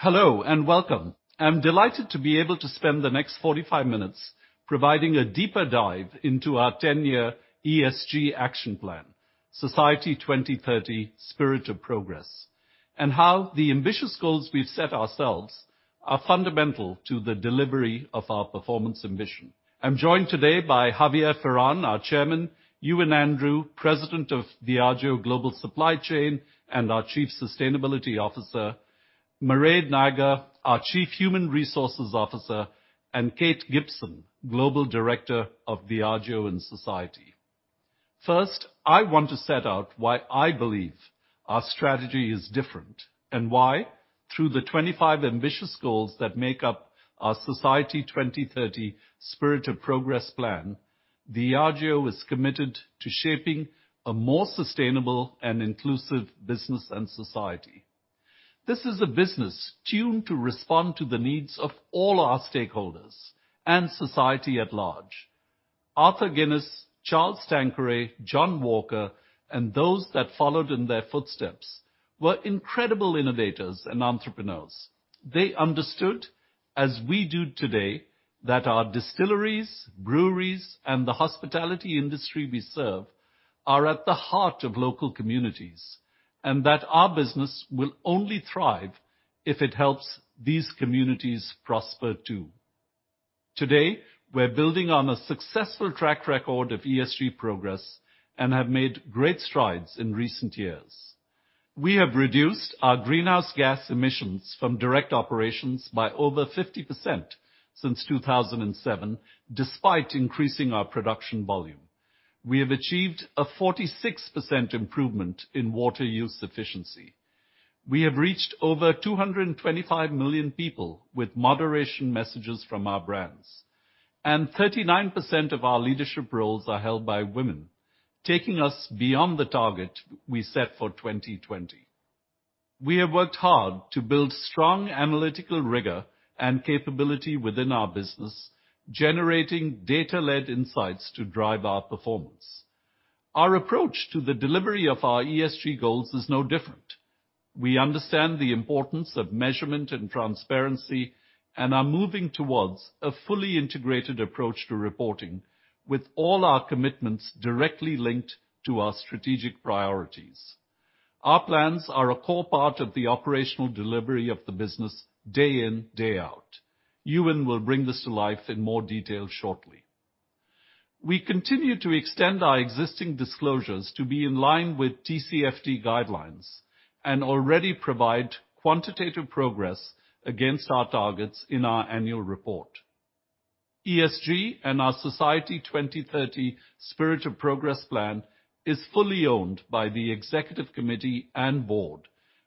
Hello and welcome. I'm delighted to be able to spend the next 45 minutes providing a deeper dive into our 10-year ESG action plan, Society 2030: Spirit of Progress, and how the ambitious goals we've set ourselves are fundamental to the delivery of our performance ambition. I'm joined today by Javier Ferrán, our Chairman, Ewan Andrew, President of Diageo Global Supply Chain and our Chief Sustainability Officer, Mairéad Nayager, our Chief Human Resources Officer, and Kate Gibson, Global Director of Diageo in Society. I want to set out why I believe our strategy is different and why, through the 25 ambitious goals that make up our Society 2030: Spirit of Progress plan, Diageo is committed to shaping a more sustainable and inclusive business and society. This is a business tuned to respond to the needs of all our stakeholders and society at large. Arthur Guinness, Charles Tanqueray, John Walker, and those that followed in their footsteps were incredible innovators and entrepreneurs. They understood, as we do today, that our distilleries, breweries, and the hospitality industry we serve are at the heart of local communities, and that our business will only thrive if it helps these communities prosper too. Today, we're building on a successful track record of ESG progress and have made great strides in recent years. We have reduced our greenhouse gas emissions from direct operations by over 50% since 2007, despite increasing our production volume. We have achieved a 46% improvement in water use efficiency. We have reached over 225 million people with moderation messages from our brands, and 39% of our leadership roles are held by women, taking us beyond the target we set for 2020. We have worked hard to build strong analytical rigor and capability within our business, generating data-led insights to drive our performance. Our approach to the delivery of our ESG goals is no different. We understand the importance of measurement and transparency and are moving towards a fully integrated approach to reporting with all our commitments directly linked to our strategic priorities. Our plans are a core part of the operational delivery of the business day in, day out. Ewan will bring this to life in more detail shortly. We continue to extend our existing disclosures to be in line with TCFD guidelines and already provide quantitative progress against our targets in our annual report. ESG and our Society 2030: Spirit of Progress plan is fully owned by the Executive Committee and Board,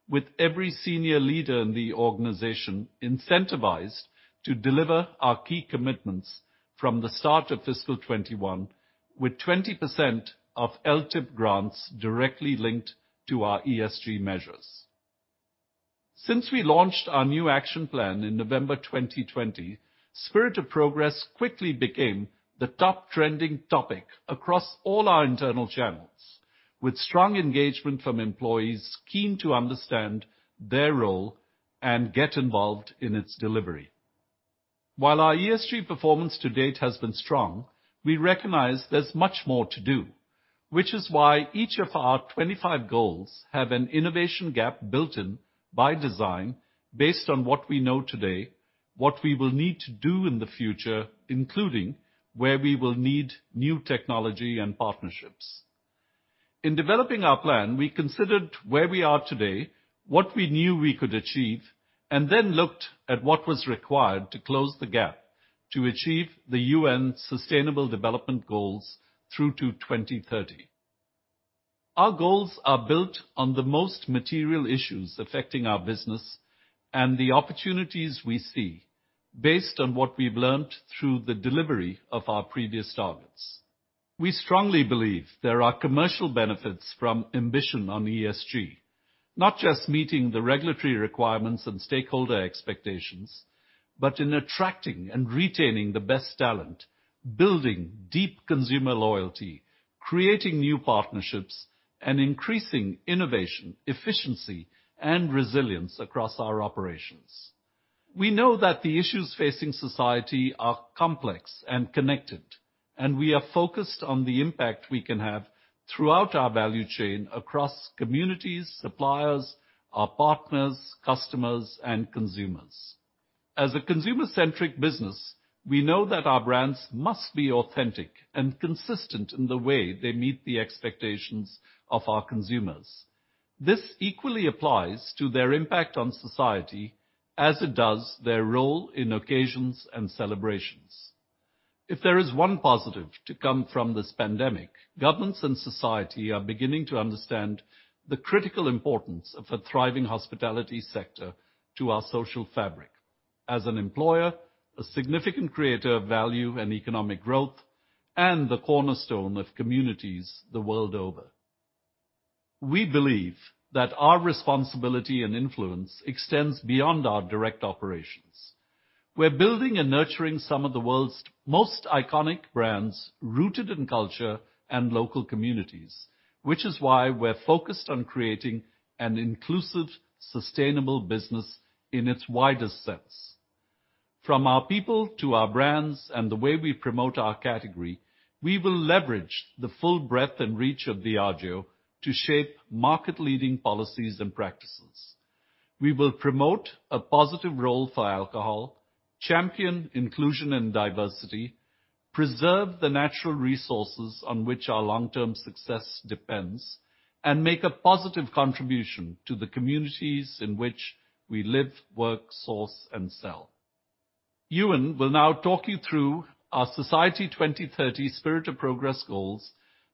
with every senior leader in the organization incentivized to deliver our key commitments from the start of fiscal 2021, with 20% of LTIP grants directly linked to our ESG measures. Since we launched our new action plan in November 2020, Spirit of Progress quickly became the top trending topic across all our internal channels, with strong engagement from employees keen to understand their role and get involved in its delivery. While our ESG performance to date has been strong, we recognize there's much more to do, which is why each of our 25 goals have an innovation gap built in by design based on what we know today, what we will need to do in the future, including where we will need new technology and partnerships. In developing our plan, we considered where we are today, what we knew we could achieve, then looked at what was required to close the gap to achieve the UN Sustainable Development Goals through to 2030. Our goals are built on the most material issues affecting our business and the opportunities we see based on what we've learned through the delivery of our previous targets. We strongly believe there are commercial benefits from ambition on ESG, not just meeting the regulatory requirements and stakeholder expectations, but in attracting and retaining the best talent, building deep consumer loyalty, creating new partnerships, and increasing innovation, efficiency, and resilience across our operations. We know that the issues facing society are complex and connected, we are focused on the impact we can have throughout our value chain across communities, suppliers, our partners, customers, and consumers. As a consumer-centric business, we know that our brands must be authentic and consistent in the way they meet the expectations of our consumers. This equally applies to their impact on society as it does their role in occasions and celebrations. If there is one positive to come from this pandemic, governments and society are beginning to understand the critical importance of a thriving hospitality sector to our social fabric as an employer, a significant creator of value and economic growth, and the cornerstone of communities the world over. We believe that our responsibility and influence extends beyond our direct operations. We're building and nurturing some of the world's most iconic brands rooted in culture and local communities, which is why we're focused on creating an inclusive, sustainable business in its widest sense. From our people to our brands and the way we promote our category, we will leverage the full breadth and reach of Diageo to shape market-leading policies and practices. We will promote a positive role for alcohol, champion inclusion and diversity, preserve the natural resources on which our long-term success depends, and make a positive contribution to the communities in which we live, work, source, and sell. Ewan will now talk you through our Society 2030: Spirit of Progress goals,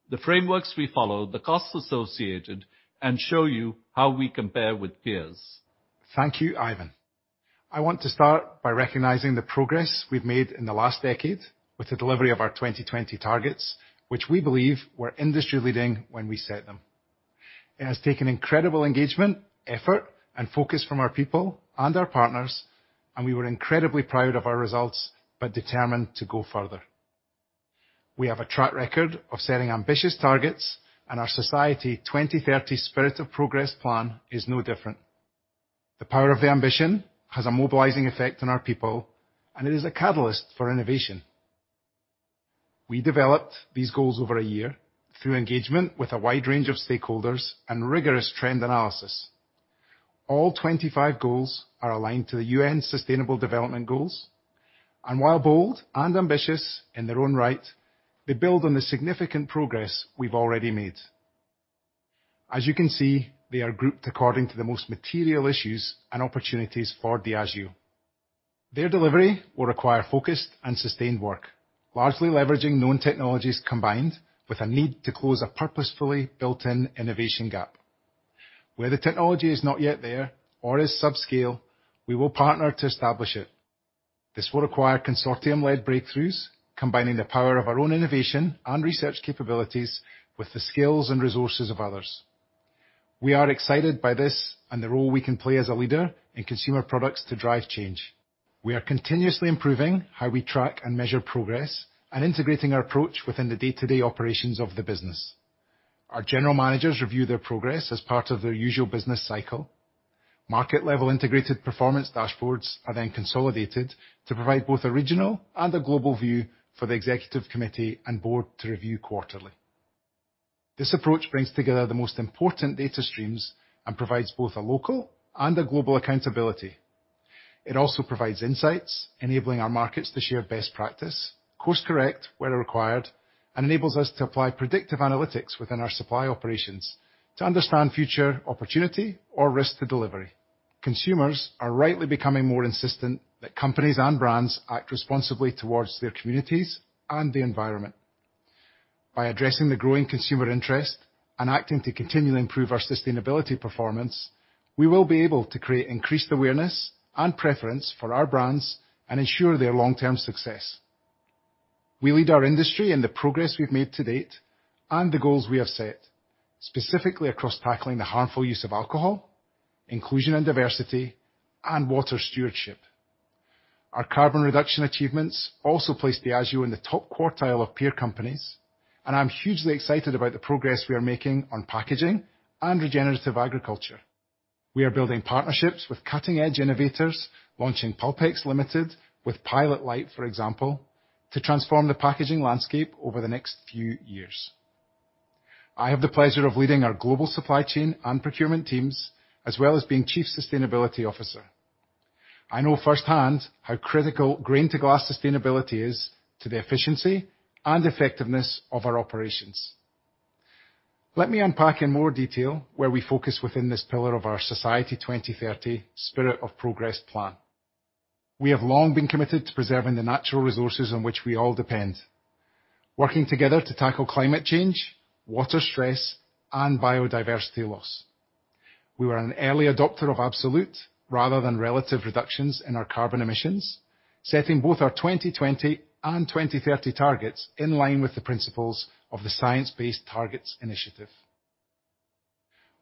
the frameworks we follow, the costs associated, and show you how we compare with peers. Thank you, Ivan. I want to start by recognizing the progress we've made in the last decade with the delivery of our 2020 targets, which we believe were industry-leading when we set them. It has taken incredible engagement, effort, and focus from our people and our partners, and we were incredibly proud of our results but determined to go further. We have a track record of setting ambitious targets, and our Society 2030: Spirit of Progress plan is no different. The power of ambition has a mobilizing effect on our people and is a catalyst for innovation. We developed these goals over a year through engagement with a wide range of stakeholders and rigorous trend analysis. All 25 goals are aligned to the UN Sustainable Development Goals, and while bold and ambitious in their own right, they build on the significant progress we've already made. As you can see, they are grouped according to the most material issues and opportunities for Diageo. Their delivery will require focused and sustained work, largely leveraging known technologies, combined with a need to close a purposefully built-in innovation gap. Where the technology is not yet there or is sub-scale, we will partner to establish it. This will require consortium-led breakthroughs, combining the power of our own innovation and research capabilities with the skills and resources of others. We are excited by this and the role we can play as a leader in consumer products to drive change. We are continuously improving how we track and measure progress and integrating our approach within the day-to-day operations of the business. Our General Managers review their progress as part of their usual business cycle. Market-level integrated performance dashboards are then consolidated to provide both a regional and a global view for the Executive Committee and Board to review quarterly. This approach brings together the most important data streams and provides both a local and a global accountability. It also provides insights, enabling our markets to share best practice, course correct where required, and enables us to apply predictive analytics within our supply operations to understand future opportunity or risk to delivery. Consumers are rightly becoming more insistent that companies and brands act responsibly towards their communities and the environment. By addressing the growing consumer interest and acting to continually improve our sustainability performance, we will be able to create increased awareness and preference for our brands and ensure their long-term success. We lead our industry in the progress we've made to-date and the goals we have set, specifically across tackling the harmful use of alcohol, inclusion and diversity, and water stewardship. Our carbon reduction achievements also place Diageo in the top quartile of peer companies, and I'm hugely excited about the progress we are making on packaging and regenerative agriculture. We are building partnerships with cutting-edge innovators, launching Pulpex Limited with Pilot Lite, for example, to transform the packaging landscape over the next few years. I have the pleasure of leading our Global Supply Chain and Procurement teams, as well as being Chief Sustainability Officer. I know firsthand how critical grain-to-glass sustainability is to the efficiency and effectiveness of our operations. Let me unpack in more detail where we focus within this pillar of our Society 2030: Spirit of Progress plan. We have long been committed to preserving the natural resources on which we all depend, working together to tackle climate change, water stress, and biodiversity loss. We were an early adopter of absolute rather than relative reductions in our carbon emissions, setting both our 2020 and 2030 targets in line with the principles of the Science Based Targets initiative.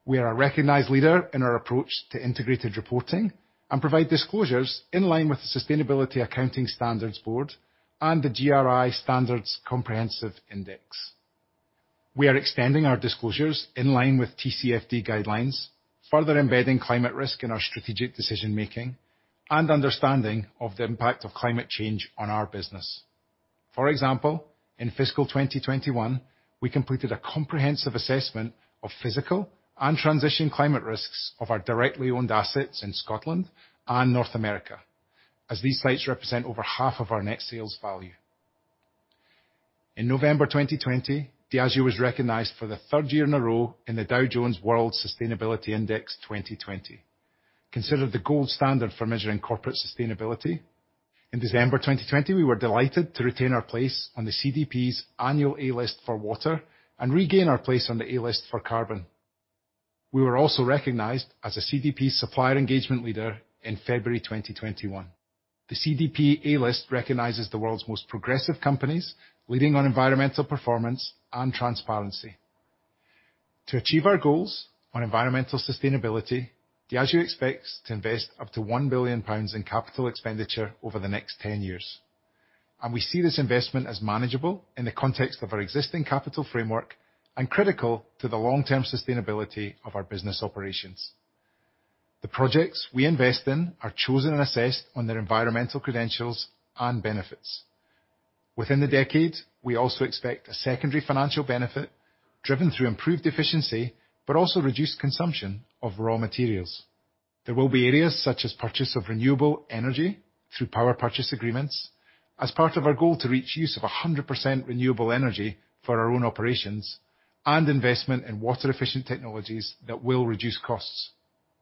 We are a recognized leader in our approach to integrated reporting and provide disclosures in line with the Sustainability Accounting Standards Board and the GRI Standards. We are extending our disclosures in line with TCFD guidelines, further embedding climate risk in our strategic decision-making and understanding of the impact of climate change on our business. For example, in fiscal 2021, we completed a comprehensive assessment of physical and transition climate risks of our directly owned assets in Scotland and North America, as these sites represent over half of our net sales value. In November 2020, Diageo was recognized for the third year in a row in the Dow Jones World Sustainability Index 2020, considered the gold standard for measuring corporate sustainability. In December 2020, we were delighted to retain our place on the CDP's Annual A List for Water and regain our place on the A List for Carbon. We were also recognized as a CDP supplier engagement leader in February 2021. The CDP A List recognizes the world's most progressive companies leading on environmental performance and transparency. To achieve our goals on environmental sustainability, Diageo expects to invest up to 1 billion pounds in capital expenditure over the next 10 years. We see this investment as manageable in the context of our existing capital framework and critical to the long-term sustainability of our business operations. The projects we invest in are chosen and assessed on their environmental credentials and benefits. Within the decade, we also expect a secondary financial benefit driven through improved efficiency, but also reduced consumption of raw materials. There will be areas such as purchase of renewable energy through power purchase agreements as part of our goal to reach use of 100% renewable energy for our own operations and investment in water efficient technologies that will reduce costs.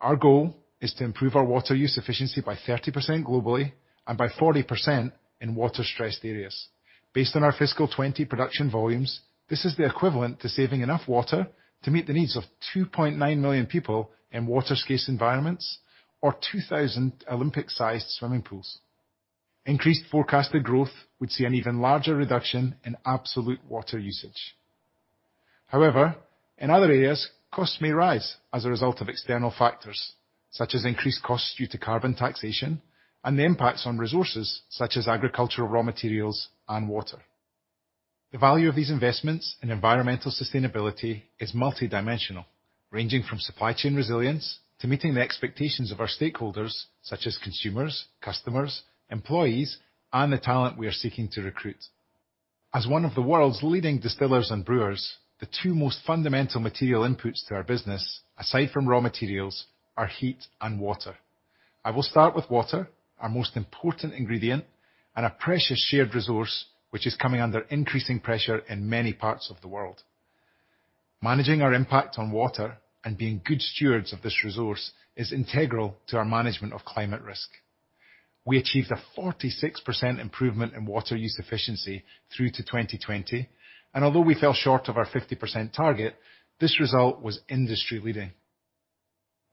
Our goal is to improve our water use efficiency by 30% globally and by 40% in water-stressed areas. Based on our fiscal 2020 production volumes, this is the equivalent to saving enough water to meet the needs of 2.9 million people in water scarce environments or 2,000 Olympic-sized swimming pools. Increased forecasted growth would see an even larger reduction in absolute water usage. However, in other areas, costs may rise as a result of external factors such as increased costs due to carbon taxation and the impacts on resources such as agricultural raw materials and water. The value of these investments in environmental sustainability is multidimensional, ranging from supply chain resilience to meeting the expectations of our stakeholders such as consumers, customers, employees, and the talent we are seeking to recruit. As one of the world's leading distillers and brewers, the two most fundamental material inputs to our business, aside from raw materials, are heat and water. I will start with water, our most important ingredient, and a precious shared resource, which is coming under increasing pressure in many parts of the world. Managing our impact on water and being good stewards of this resource is integral to our management of climate risk. We achieved a 46% improvement in water use efficiency through to 2020, and although we fell short of our 50% target, this result was industry leading.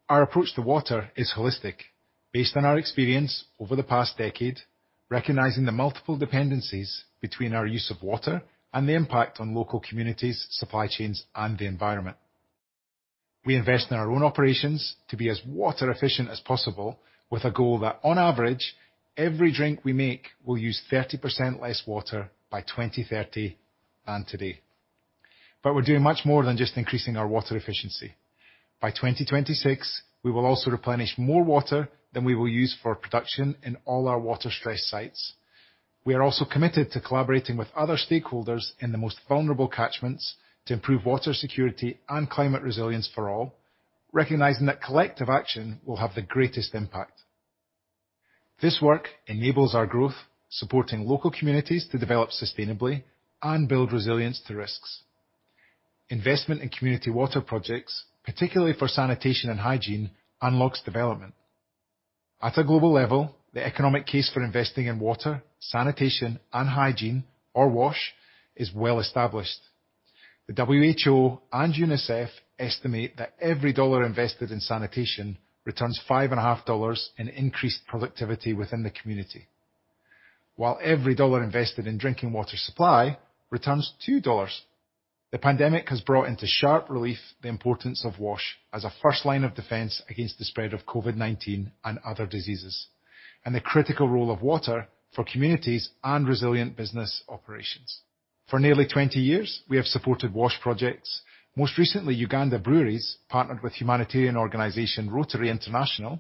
Our approach to water is holistic, based on our experience over the past decade, recognizing the multiple dependencies between our use of water and the impact on local communities, supply chains, and the environment. We invest in our own operations to be as water efficient as possible with a goal that on average, every drink we make will use 30% less water by 2030 than today. We're doing much more than just increasing our water efficiency. By 2026, we will also replenish more water than we will use for production in all our water-stressed sites. We are also committed to collaborating with other stakeholders in the most vulnerable catchments to improve water security and climate resilience for all, recognizing that collective action will have the greatest impact. This work enables our growth, supporting local communities to develop sustainably and build resilience to risks. Investment in community water projects, particularly for sanitation and hygiene, unlocks development. At a global level, the economic case for investing in water, sanitation, and hygiene, or WASH, is well established. The WHO and UNICEF estimate that every dollar invested in sanitation returns $5.5 in increased productivity within the community. While every dollar invested in drinking water supply returns $2. The pandemic has brought into sharp relief the importance of WASH as a first line of defense against the spread of COVID-19 and other diseases, and the critical role of water for communities and resilient business operations. For nearly 20 years, we have supported WASH projects. Most recently, Uganda Breweries partnered with humanitarian organization, Rotary International,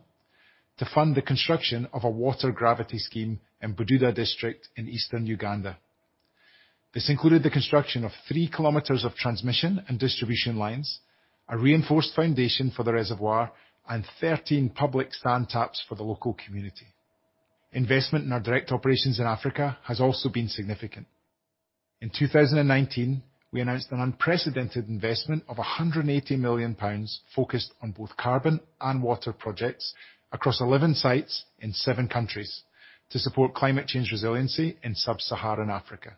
to fund the construction of a water gravity scheme in Bududa district in eastern Uganda. This included the construction of 3 km of transmission and distribution lines, a reinforced foundation for the reservoir, and 13 public stand taps for the local community. Investment in our direct operations in Africa has also been significant. In 2019, we announced an unprecedented investment of 180 million pounds focused on both carbon and water projects across 11 sites in seven countries to support climate change resiliency in sub-Saharan Africa.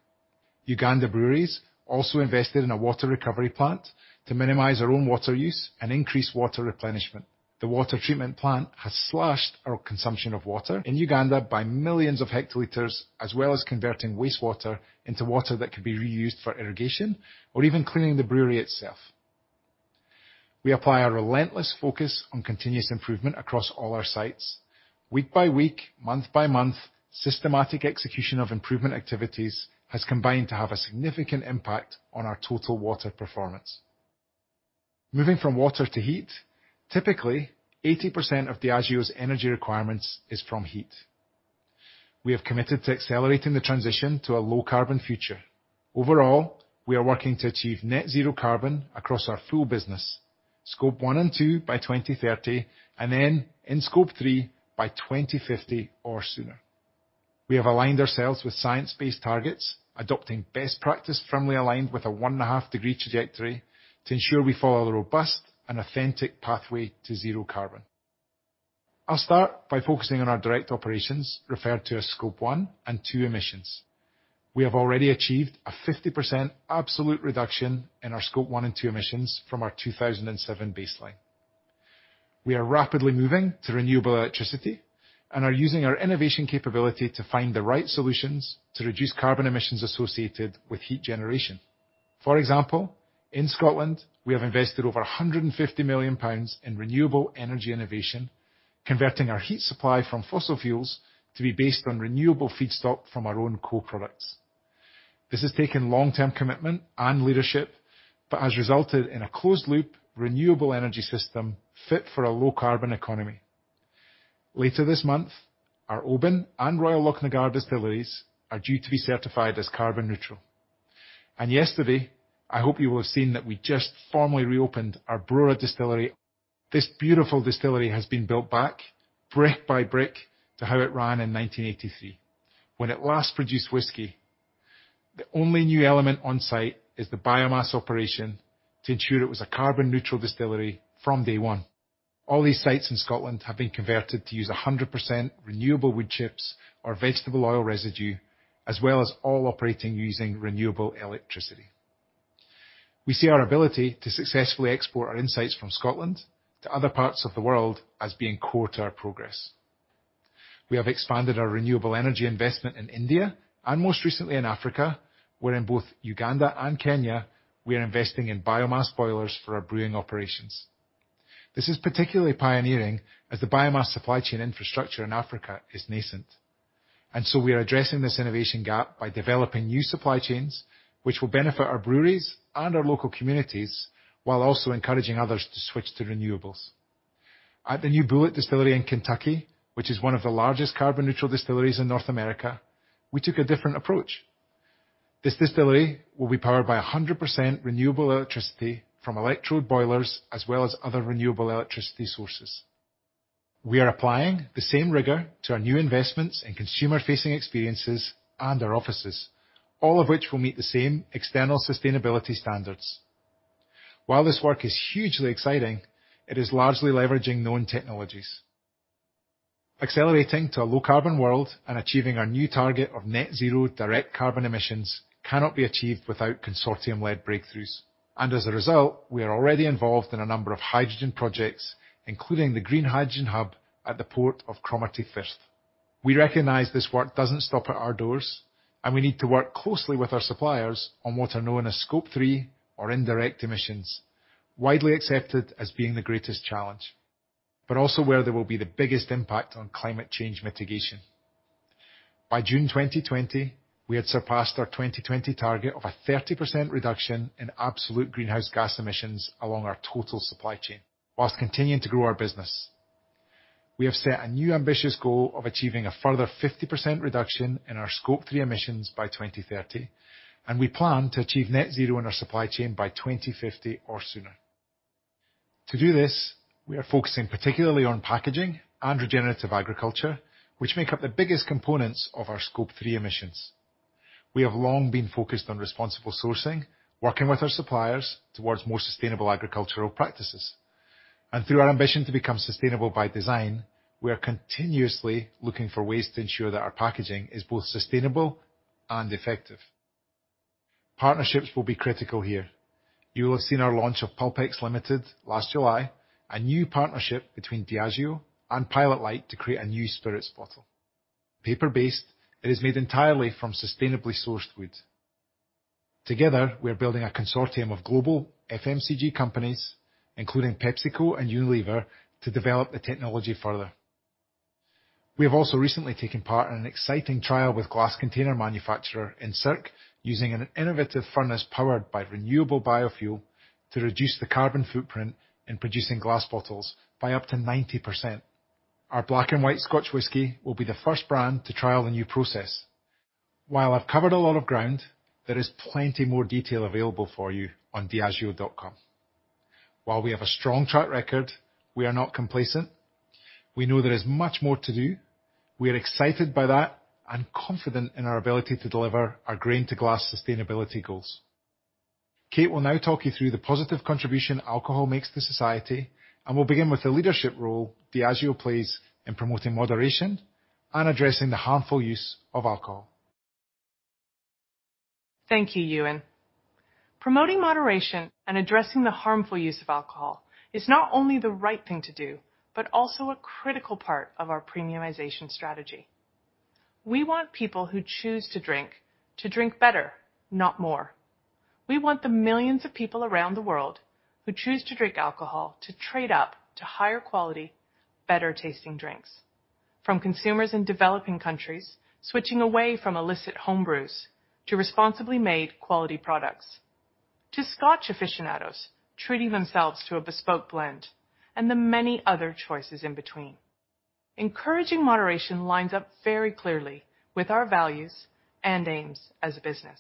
Uganda Breweries also invested in a water recovery plant to minimize our own water use and increase water replenishment. The water treatment plant has slashed our consumption of water in Uganda by millions of hectoliters, as well as converting wastewater into water that can be reused for irrigation or even cleaning the brewery itself. We apply a relentless focus on continuous improvement across all our sites. Week-by-week, month-by-month, systematic execution of improvement activities has combined to have a significant impact on our total water performance. Moving from water to heat, typically, 80% of Diageo's energy requirements is from heat. We have committed to accelerating the transition to a low carbon future. Overall, we are working to achieve Net-zero carbon across our full business, Scope 1 and 2 by 2030, and then in Scope 3 by 2050 or sooner. We have aligned ourselves with Science Based Targets, adopting best practice firmly aligned with a 1.5 degree Celsius trajectory to ensure we follow a robust and authentic pathway to zero carbon. I'll start by focusing on our direct operations referred to as Scope 1 and 2 emissions. We have already achieved a 50% absolute reduction in our Scope 1 and 2 emissions from our 2007 baseline. We are rapidly moving to renewable electricity and are using our innovation capability to find the right solutions to reduce carbon emissions associated with heat generation. For example, in Scotland, we have invested over 150 million pounds in renewable energy innovation, converting our heat supply from fossil fuels to be based on renewable feedstock from our own co-products. This has taken long-term commitment and leadership but has resulted in a closed-loop renewable energy system fit for a low-carbon economy. Later this month, our Oban and Royal Lochnagar distilleries are due to be certified as carbon neutral. Yesterday, I hope you will have seen that we just formally reopened our Brora Distillery. This beautiful distillery has been built back brick-by-brick to how it ran in 1983, when it last produced whisky. The only new element on-site is the biomass operation to ensure it was a carbon neutral distillery from day one. All these sites in Scotland have been converted to use 100% renewable wood chips or vegetable oil residue, as well as all operating using renewable electricity. We see our ability to successfully export our insights from Scotland to other parts of the world as being core to our progress. We have expanded our renewable energy investment in India and most recently in Africa, where in both Uganda and Kenya, we are investing in biomass boilers for our brewing operations. This is particularly pioneering as the biomass supply chain infrastructure in Africa is nascent, and so we are addressing this innovation gap by developing new supply chains, which will benefit our breweries and our local communities while also encouraging others to switch to renewables. At the new Bulleit distillery in Kentucky, which is one of the largest carbon neutral distilleries in North America, we took a different approach. This distillery will be powered by 100% renewable electricity from electrode boilers as well as other renewable electricity sources. We are applying the same rigor to our new investments in consumer-facing experiences and our offices, all of which will meet the same external sustainability standards. While this work is hugely exciting, it is largely leveraging known technologies. Accelerating to a low-carbon world and achieving our new target of Net-Zero direct carbon emissions cannot be achieved without consortium-led breakthroughs, and as a result, we are already involved in a number of hydrogen projects, including the Green Hydrogen Hub at the Port of Cromarty Firth. We recognize this work doesn't stop at our doors, and we need to work closely with our suppliers on what are known as Scope 3 or indirect emissions, widely accepted as being the greatest challenge, but also where there will be the biggest impact on climate change mitigation. By June 2020, we had surpassed our 2020 target of a 30% reduction in absolute greenhouse gas emissions along our total supply chain while continuing to grow our business. We have set a new ambitious goal of achieving a further 50% reduction in our Scope 3 emissions by 2030, and we plan to achieve Net-Zero in our supply chain by 2050 or sooner. To do this, we are focusing particularly on packaging and regenerative agriculture, which make up the biggest components of our Scope 3 emissions. We have long been focused on responsible sourcing, working with our suppliers towards more sustainable agricultural practices, and through our ambition to become sustainable by design, we are continuously looking for ways to ensure that our packaging is both sustainable and effective. Partnerships will be critical here. You will have seen our launch of Pulpex Limited last July, a new partnership between Diageo and Pilot Lite to create a new spirits bottle. Paper-based, it is made entirely from sustainably sourced wood. Together, we are building a consortium of global FMCG companies, including PepsiCo and Unilever, to develop the technology further. We have also recently taken part in an exciting trial with glass container manufacturer Encirc, using an innovative furnace powered by renewable biofuel to reduce the carbon footprint in producing glass bottles by up to 90%. Our Black & White Scotch whisky will be the first brand to trial the new process. While I've covered a lot of ground, there is plenty more detail available for you on diageo.com. While we have a strong track record, we are not complacent. We know there is much more to do. We are excited by that and confident in our ability to deliver our grain-to-glass sustainability goals. Kate will now talk you through the positive contribution alcohol makes to society, and we'll begin with the leadership role Diageo plays in promoting moderation and addressing the harmful use of alcohol. Thank you, Ewan. Promoting moderation and addressing the harmful use of alcohol is not only the right thing to do, but also a critical part of our premiumization strategy. We want people who choose to drink, to drink better, not more. We want the millions of people around the world who choose to drink alcohol to trade up to higher quality, better-tasting drinks, from consumers in developing countries, switching away from illicit home brews to responsibly made quality products, to Scotch aficionados treating themselves to a bespoke blend, and the many other choices in between. Encouraging moderation lines up very clearly with our values and aims as a business.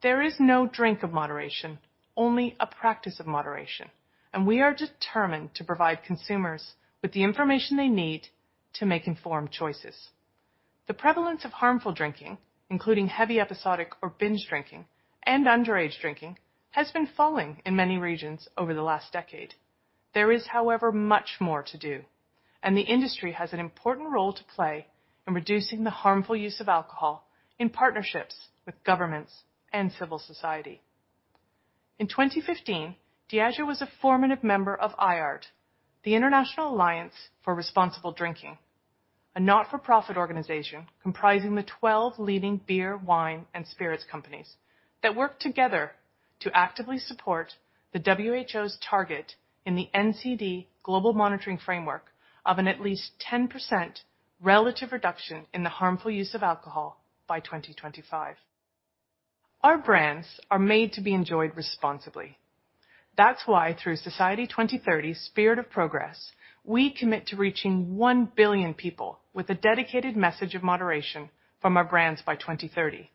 There is no drink of moderation, only a practice of moderation, and we are determined to provide consumers with the information they need to make informed choices. The prevalence of harmful drinking, including heavy episodic or binge drinking and underage drinking, has been falling in many regions over the last decade. There is, however, much more to do. The industry has an important role to play in reducing the harmful use of alcohol in partnerships with governments and civil society. In 2015, Diageo was a formative member of IARD, the International Alliance for Responsible Drinking, a not-for-profit organization comprising the 12 leading beer, wine, and spirits companies that work together to actively support the WHO's target in the NCD Global Monitoring Framework of an at least 10% relative reduction in the harmful use of alcohol by 2025. Our brands are made to be enjoyed responsibly. That's why through Society 2030: Spirit of Progress, we commit to reaching 1 billion people with a dedicated message of moderation from our brands by 2030,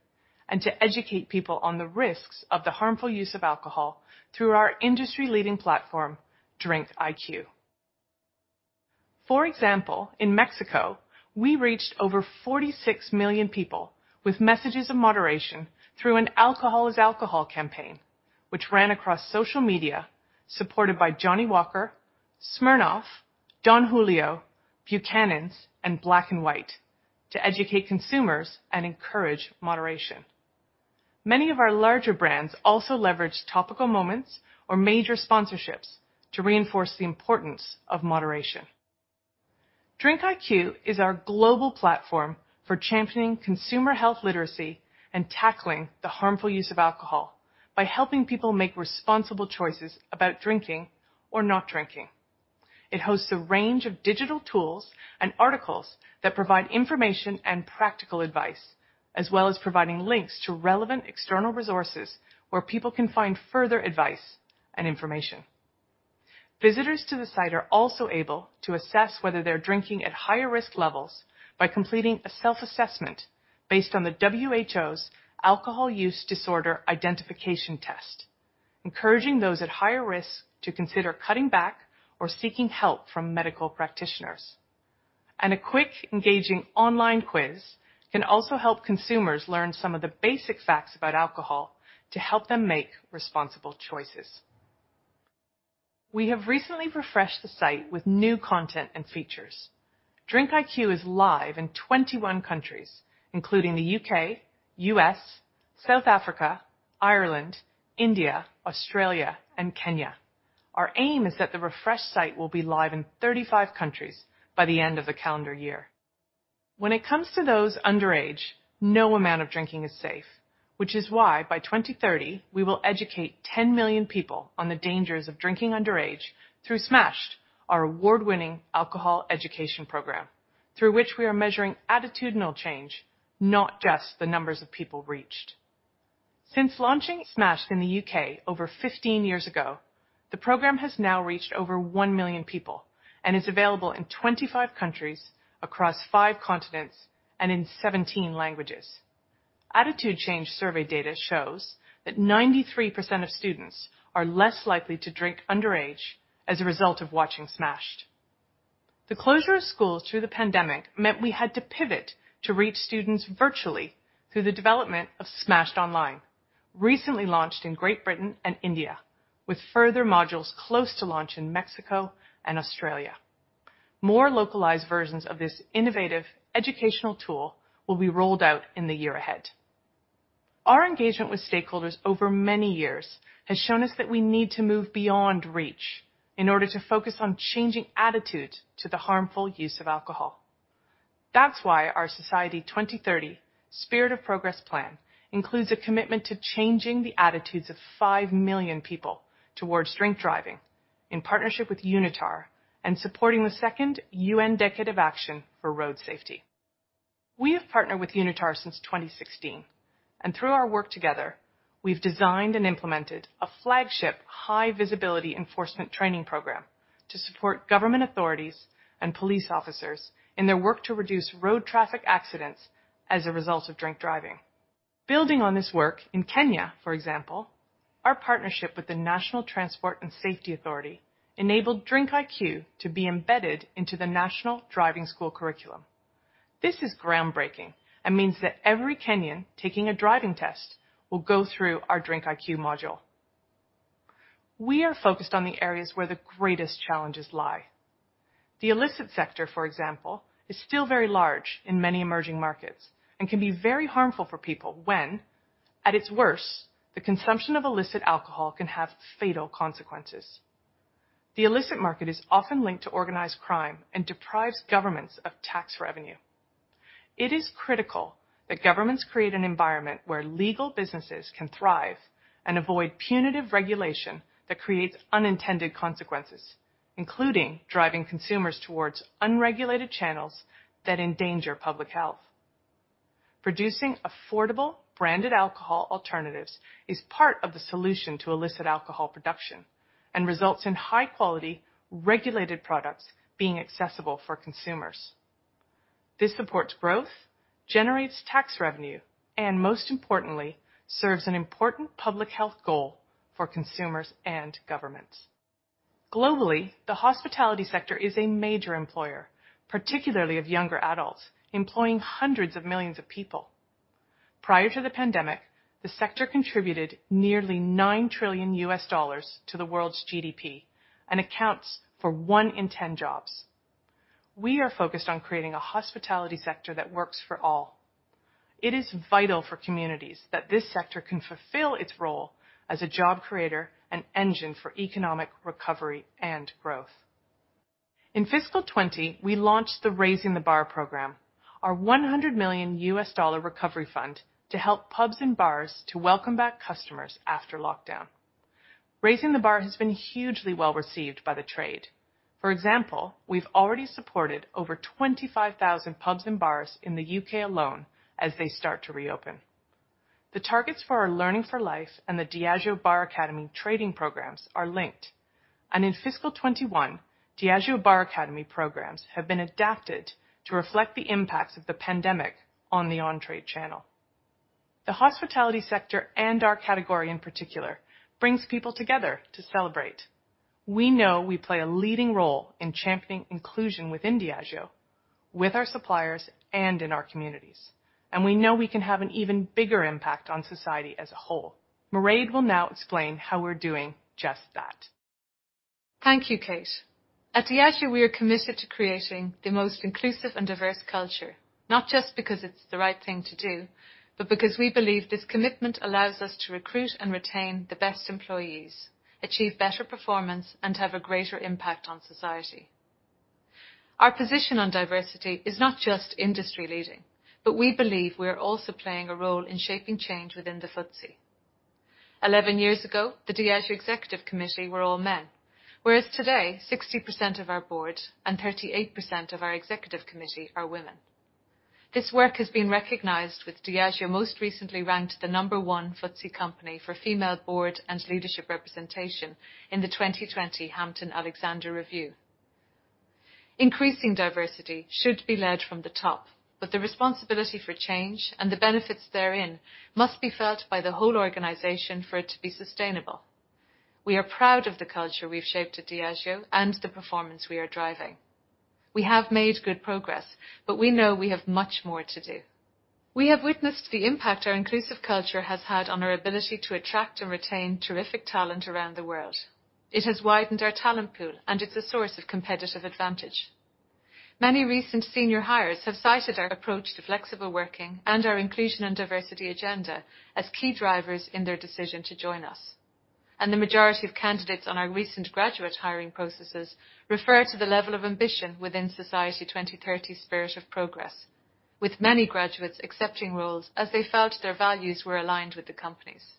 and to educate people on the risks of the harmful use of alcohol through our industry-leading platform, DRINKiQ. For example, in Mexico, we reached over 46 million people with messages of moderation through an Alcohol is Alcohol campaign, which ran across social media, supported by Johnnie Walker, Smirnoff, Don Julio, Buchanan's, and Black & White to educate consumers and encourage moderation. Many of our larger brands also leverage topical moments or major sponsorships to reinforce the importance of moderation. DRINKiQ is our global platform for championing consumer health literacy and tackling the harmful use of alcohol by helping people make responsible choices about drinking or not drinking. It hosts a range of digital tools and articles that provide information and practical advice, as well as providing links to relevant external resources where people can find further advice and information. Visitors to the site are also able to assess whether they're drinking at higher risk levels by completing a self-assessment based on the WHO's Alcohol Use Disorders Identification Test, encouraging those at higher risk to consider cutting back or seeking help from medical practitioners. A quick, engaging online quiz can also help consumers learn some of the basic facts about alcohol to help them make responsible choices. We have recently refreshed the site with new content and features. DRINKiQ is live in 21 countries, including the U.K., U.S., South Africa, Ireland, India, Australia, and Kenya. Our aim is that the refreshed site will be live in 35 countries by the end of the calendar year. When it comes to those underage, no amount of drinking is safe, which is why by 2030, we will educate 10 million people on the dangers of drinking underage through Smashed, our award-winning alcohol education program, through which we are measuring attitudinal change, not just the numbers of people reached. Since launching Smashed in the U.K. over 15 years ago, the program has now reached over 1 million people and is available in 25 countries across five continents and in 17 languages. Attitude change survey data shows that 93% of students are less likely to drink underage as a result of watching Smashed. The closure of schools through the pandemic meant we had to pivot to reach students virtually through the development of Smashed online, recently launched in Great Britain and India, with further modules close to launch in Mexico and Australia. More localized versions of this innovative educational tool will be rolled out in the year ahead. Our engagement with stakeholders over many years has shown us that we need to move beyond reach in order to focus on changing attitudes to the harmful use of alcohol. That's why our Society 2030: Spirit of Progress plan includes a commitment to changing the attitudes of 5 million people towards drink driving in partnership with UNITAR and supporting the second UN Decade of Action for Road Safety. We have partnered with UNITAR since 2016, and through our work together, we've designed and implemented a flagship high-visibility enforcement training program to support government authorities and police officers in their work to reduce road traffic accidents as a result of drink driving. Building on this work in Kenya, for example, our partnership with the National Transport and Safety Authority enabled DRINKiQ to be embedded into the national driving school curriculum. This is groundbreaking and means that every Kenyan taking a driving test will go through our DRINKiQ module. We are focused on the areas where the greatest challenges lie. The illicit sector, for example, is still very large in many emerging markets and can be very harmful for people when, at its worst, the consumption of illicit alcohol can have fatal consequences. The illicit market is often linked to organized crime and deprives governments of tax revenue. It is critical that governments create an environment where legal businesses can thrive and avoid punitive regulation that creates unintended consequences, including driving consumers towards unregulated channels that endanger public health. Producing affordable branded alcohol alternatives is part of the solution to illicit alcohol production and results in high-quality, regulated products being accessible for consumers. This supports growth, generates tax revenue, and most importantly, serves an important public health goal for consumers and governments. Globally, the hospitality sector is a major employer, particularly of younger adults, employing hundreds of millions of people. Prior to the pandemic, the sector contributed nearly $9 trillion to the world's GDP and accounts for one in 10 jobs. We are focused on creating a hospitality sector that works for all. It is vital for communities that this sector can fulfill its role as a job creator and engine for economic recovery and growth. In fiscal 2020, we launched the Raising the Bar program, our $100 million recovery fund to help pubs and bars to welcome back customers after lockdown. Raising the Bar has been hugely well-received by the trade. For example, we've already supported over 25,000 pubs and bars in the U.K. alone as they start to reopen. The targets for our Learning for Life and the Diageo Bar Academy training programs are linked, and in fiscal 2021, Diageo Bar Academy programs have been adapted to reflect the impacts of the pandemic on the on-trade channel. The hospitality sector and our category in particular, brings people together to celebrate. We know we play a leading role in championing inclusion within Diageo, with our suppliers, and in our communities, and we know we can have an even bigger impact on society as a whole. Mairéad will now explain how we're doing just that. Thank you, Kate. At Diageo, we are committed to creating the most inclusive and diverse culture, not just because it's the right thing to do, but because we believe this commitment allows us to recruit and retain the best employees, achieve better performance, and have a greater impact on society. Our position on diversity is not just industry-leading, but we believe we are also playing a role in shaping change within the FTSE. 11 years ago, the Diageo Executive Committee were all men, whereas today 60% of our Board and 38% of our Executive Committee are women. This work has been recognized with Diageo most recently ranked the number one FTSE company for female Board and leadership representation in the 2020 Hampton-Alexander Review. Increasing diversity should be led from the top, but the responsibility for change and the benefits therein must be felt by the whole organization for it to be sustainable. We are proud of the culture we've shaped at Diageo and the performance we are driving. We have made good progress, but we know we have much more to do. We have witnessed the impact our inclusive culture has had on our ability to attract and retain terrific talent around the world. It has widened our talent pool and is a source of competitive advantage. Many recent senior hires have cited our approach to flexible working and our inclusion and diversity agenda as key drivers in their decision to join us. The majority of candidates on our recent graduate hiring processes refer to the level of ambition within Society 2030: Spirit of Progress, with many graduates accepting roles as they felt their values were aligned with the company's.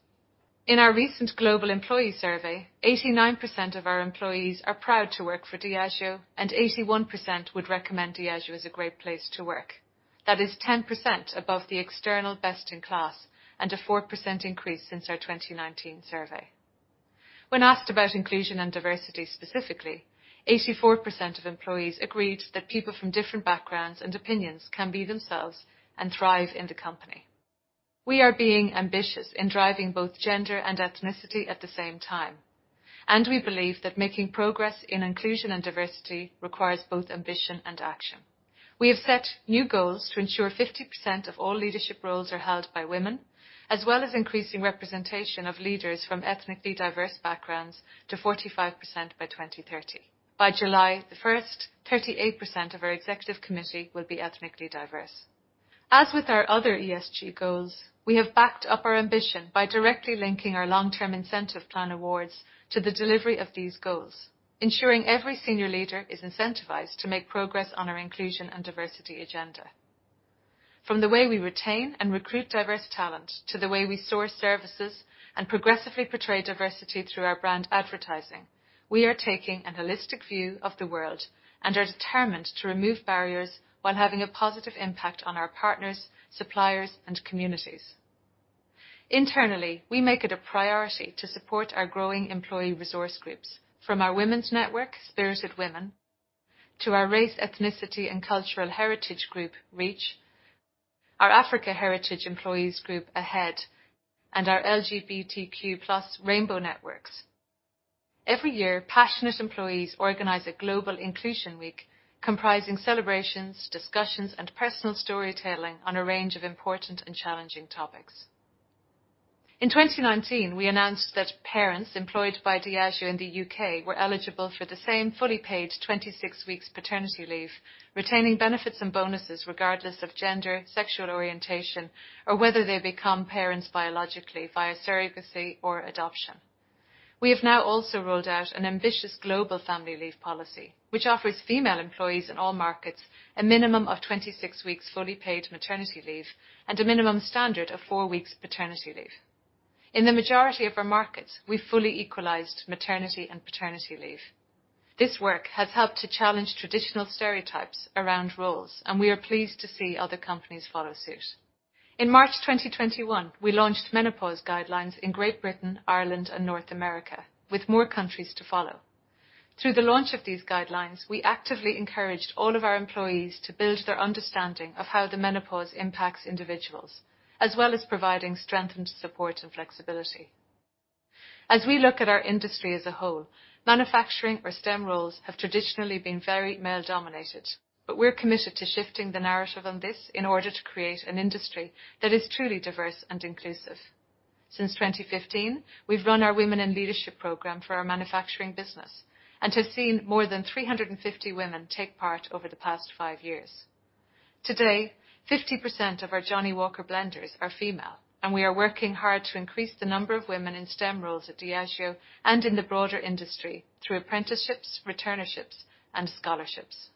In our recent global employee survey, 89% of our employees are proud to work for Diageo, and 81% would recommend Diageo as a great place to work. That is 10% above the external best-in-class and a 4% increase since our 2019 survey. When asked about inclusion and diversity specifically, 84% of employees agreed that people from different backgrounds and opinions can be themselves and thrive in the company. We are being ambitious in driving both gender and ethnicity at the same time, and we believe that making progress in inclusion and diversity requires both ambition and action. We have set new goals to ensure 50% of all leadership roles are held by women, as well as increasing representation of leaders from ethnically diverse backgrounds to 45% by 2030. By July the 1st, 38% of our Executive Committee will be ethnically diverse. As with our other ESG goals, we have backed up our ambition by directly linking our long-term incentive plan awards to the delivery of these goals, ensuring every senior leader is incentivized to make progress on our inclusion and diversity agenda. From the way we retain and recruit diverse talent to the way we source services and progressively portray diversity through our brand advertising, we are taking a holistic view of the world and are determined to remove barriers while having a positive impact on our partners, suppliers, and communities. Internally, we make it a priority to support our growing employee resource groups, from our women's network, Spirited Women, to our Race, Ethnicity, and Cultural Heritage group, REACH, our Africa Heritage Employees group, AHEAD, and our LGBTQ+ Rainbow networks. Every year, passionate employees organize a global inclusion week comprising celebrations, discussions, and personal storytelling on a range of important and challenging topics. In 2019, we announced that parents employed by Diageo in the U.K. were eligible for the same fully paid 26 weeks paternity leave, retaining benefits and bonuses regardless of gender, sexual orientation, or whether they become parents biologically, via surrogacy, or adoption. We have now also rolled out an ambitious global family leave policy, which offers female employees in all markets a minimum of 26 weeks fully paid maternity leave and a minimum standard of four weeks paternity leave. In the majority of our markets, we fully equalized maternity and paternity leave. This work has helped to challenge traditional stereotypes around roles, and we are pleased to see other companies follow suit. In March 2021, we launched Menopause guidelines in Great Britain, Ireland, and North America, with more countries to follow. Through the launch of these guidelines, we actively encouraged all of our employees to build their understanding of how the menopause impacts individuals, as well as providing strengthened support and flexibility. As we look at our industry as a whole, manufacturing or STEM roles have traditionally been very male-dominated, but we're committed to shifting the narrative on this in order to create an industry that is truly diverse and inclusive. Since 2015, we've run our Women in Leadership Program for our manufacturing business and have seen more than 350 women take part over the past five years. Today, 50% of our Johnnie Walker blenders are female, and we are working hard to increase the number of women in STEM roles at Diageo and in the broader industry through apprenticeships, returnerships, and scholarships.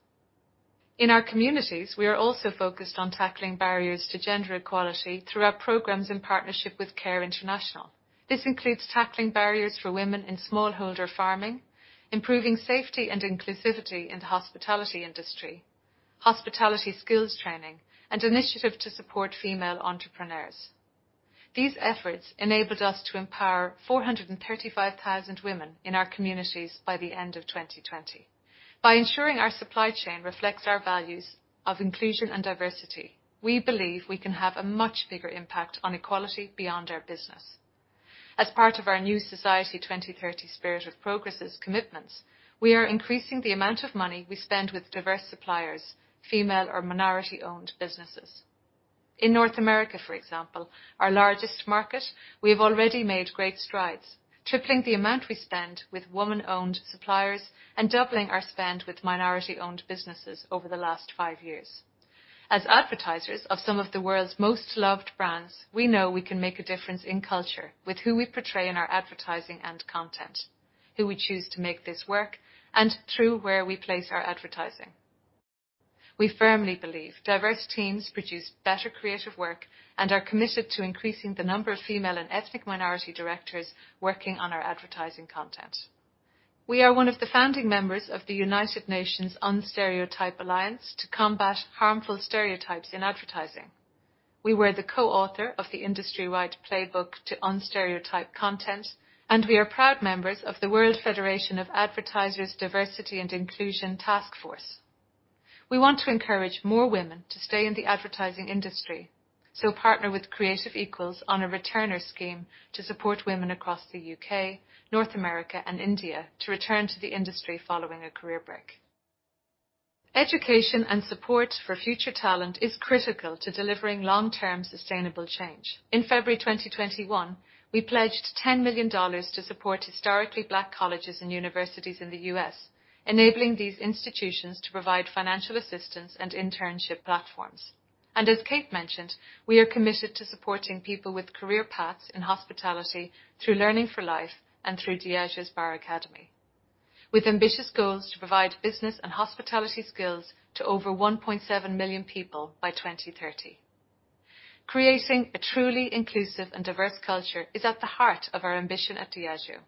In our communities, we are also focused on tackling barriers to gender equality through our programs in partnership with CARE International. This includes tackling barriers for women in smallholder farming, improving safety and inclusivity in the hospitality industry, hospitality skills training, and initiatives to support female entrepreneurs. These efforts enabled us to empower 435,000 women in our communities by the end of 2020. By ensuring our supply chain reflects our values of inclusion and diversity, we believe we can have a much bigger impact on equality beyond our business. As part of our new Society 2030: Spirit of Progress commitments, we are increasing the amount of money we spend with diverse suppliers, female or minority-owned businesses. In North America, for example, our largest market, we've already made great strides, tripling the amount we spend with woman-owned suppliers and doubling our spend with minority-owned businesses over the last five years. As advertisers of some of the world's most loved brands, we know we can make a difference in culture with who we portray in our advertising and content, who we choose to make this work, and through where we place our advertising. We firmly believe diverse teams produce better creative work and are committed to increasing the number of female and ethnic minority directors working on our advertising content. We are one of the founding members of the United Nations Unstereotype Alliance to combat harmful stereotypes in advertising. We were the co-author of the industry-wide playbook to Unstereotype content. We are proud members of the World Federation of Advertisers Diversity and Inclusion Task Force. We want to encourage more women to stay in the advertising industry. We partner with Creative Equals on a returner scheme to support women across the U.K., North America, and India to return to the industry following a career break. Education and support for future talent is critical to delivering long-term sustainable change. In February 2021, we pledged $10 million to support Historically Black Colleges and Universities in the U.S., enabling these institutions to provide financial assistance and internship platforms. As Kate mentioned, we are committed to supporting people with career paths in hospitality through Learning for Life and through Diageo's Bar Academy. With ambitious goals to provide business and hospitality skills to over 1.7 million people by 2030. Creating a truly inclusive and diverse culture is at the heart of our ambition at Diageo.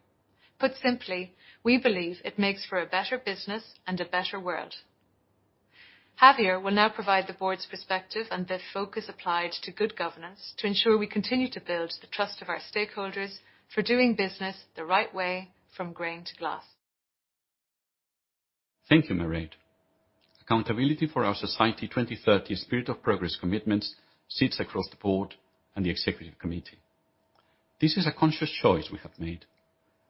Put simply, we believe it makes for a better business and a better world. Javier will now provide the Board's perspective and the focus applied to good governance to ensure we continue to build the trust of our stakeholders for doing business the right way from grain-to-glass. Thank you, Mairéad. Accountability for our Society 2030: Spirit of Progress commitments sits across the board and the executive committee. This is a conscious choice we have made,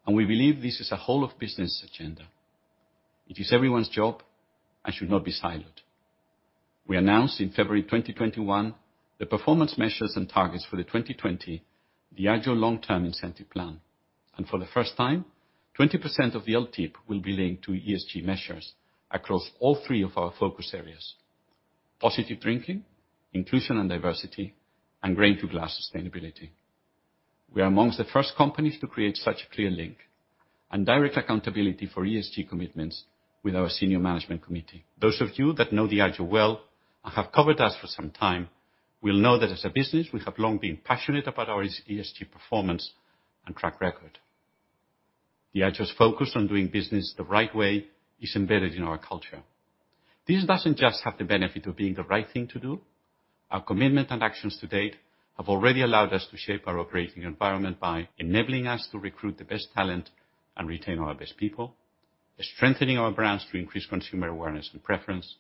and we believe this is a whole of business agenda. It is everyone's job and should not be siloed. We announced in February 2021 the performance measures and targets for the 2020 Diageo long-term incentive plan, and for the first time, 20% of the LTIP will be linked to ESG measures across all three of our focus areas: positive drinking, inclusion and diversity, and grain-to-glass sustainability. We are amongst the first companies to create such a clear link and direct accountability for ESG commitments with our senior management committee. Those of you that know Diageo well and have covered us for some time will know that as a business, we have long been passionate about our ESG performance and track record. Diageo's focus on doing business the right way is embedded in our culture. This doesn't just have the benefit of being the right thing to do. Our commitment and actions to date have already allowed us to shape our operating environment by enabling us to recruit the best talent and retain our best people, strengthening our brands to increase consumer awareness and preference,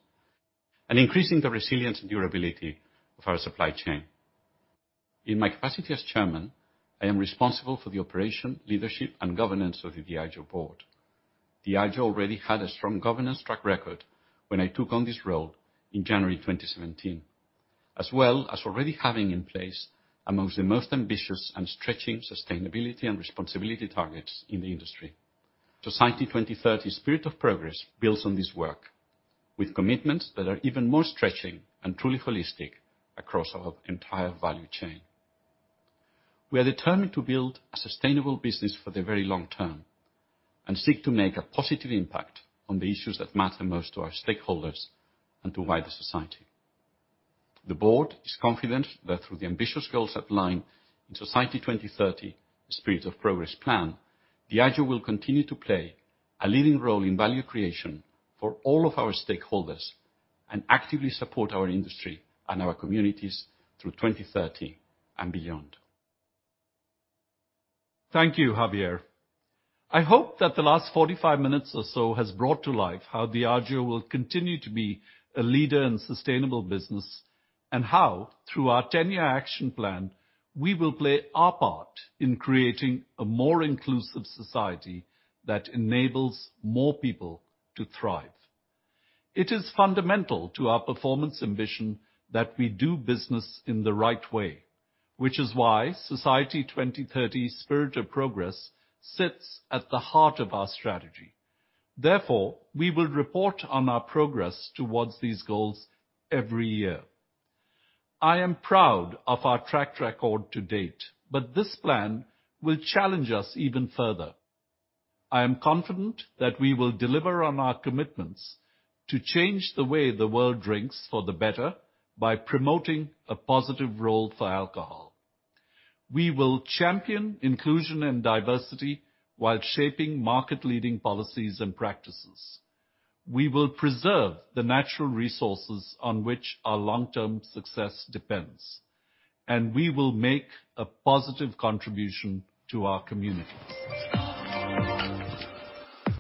and increasing the resilience and durability of our supply chain. In my capacity as Chairman, I am responsible for the operation, leadership, and governance of the Diageo Board. Diageo already had a strong governance track record when I took on this role in January 2017. As well as already having in place amongst the most ambitious and stretching sustainability and responsibility targets in the industry. Society 2030: Spirit of Progress builds on this work with commitments that are even more stretching and truly holistic across our entire value chain. We are determined to build a sustainable business for the very long term and seek to make a positive impact on the issues that matter most to our stakeholders and to wider society. The Board is confident that through the ambitious goals outlined in Society 2030: Spirit of Progress plan, Diageo will continue to play a leading role in value creation for all of our stakeholders and actively support our industry and our communities through 2030 and beyond. Thank you, Javier. I hope that the last 45 minutes or so has brought to life how Diageo will continue to be a leader in sustainable business and how, through our 10-year action plan, we will play our part in creating a more inclusive society that enables more people to thrive. It is fundamental to our performance ambition that we do business in the right way, which is why Society 2030: Spirit of Progress sits at the heart of our strategy. Therefore, we will report on our progress towards these goals every year. I am proud of our track record to-date, but this plan will challenge us even further. I am confident that we will deliver on our commitments to change the way the world drinks for the better by promoting a positive role for alcohol. We will champion inclusion and diversity while shaping market-leading policies and practices. We will preserve the natural resources on which our long-term success depends, and we will make a positive contribution to our communities.